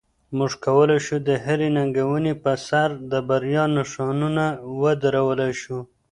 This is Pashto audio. موږ کولی شو د هرې ننګونې په سر د بریا نښانونه ودرولای شو.